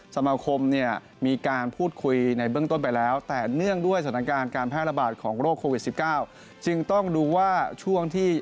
สมาคมมีการพูดคุยในเบื้องต้นไปแล้ว